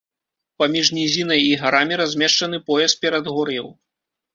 Паміж нізінай і гарамі размешчаны пояс перадгор'яў.